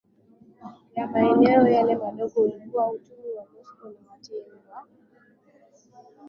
ya maeneo yale madogo ulikuwa utemi wa Moscow Watemi wa